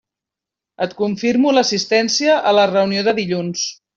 Et confirmo l'assistència a la reunió de dilluns.